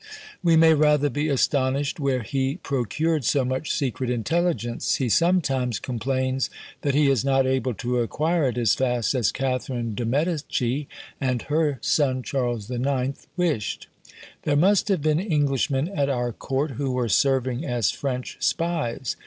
We may rather be astonished where he procured so much secret intelligence: he sometimes complains that he is not able to acquire it as fast as Catherine de Medicis and her son Charles IX. wished. There must have been Englishmen at our court who were serving as French spies.